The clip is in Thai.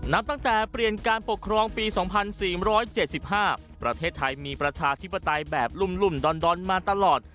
นับตั้งแต่เปลี่ยนการปกครองปี๒๔๗๕ประเทศไทยมีประชาธิปไตยแบบรุ่มดอนมาตลอด